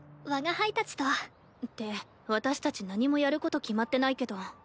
我が輩たちと。って私たち何もやること決まってないけど。